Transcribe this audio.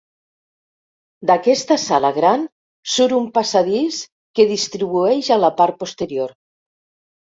D'aquesta sala gran surt un passadís que distribueix a la part posterior.